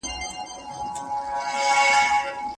ما نن خپل خدای هېر کړ ما تاته سجده وکړه